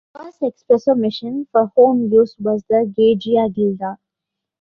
The first espresso machine for home use was the Gaggia Gilda.